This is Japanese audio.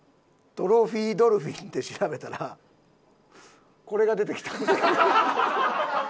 「トロフィードルフィン」って調べたらこれが出てきた。